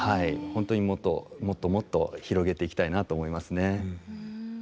本当にもっともっともっと広げていきたいなと思いますね。